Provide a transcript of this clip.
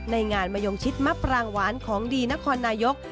ในงานมะยงชิดมะปรางหวานของดีนครนายก